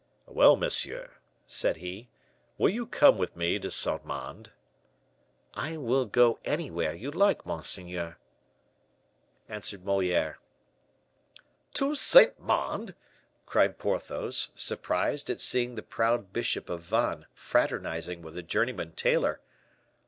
"Well, monsieur," said he, "will you come with me to Saint Mande?" "I will go anywhere you like, monseigneur," answered Moliere. "To Saint Mande!" cried Porthos, surprised at seeing the proud bishop of Vannes fraternizing with a journeyman tailor.